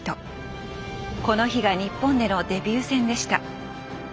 この日が日本でのデビュー戦でした。